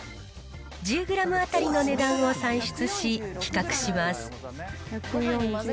１０グラム当たりの値段を算出し比較します。